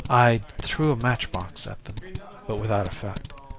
I threw a matchbox at them, but without effect.